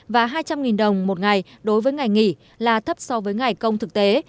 và hai trăm linh đồng một ngày đối với ngày nghỉ là thấp so với ngày công thực tế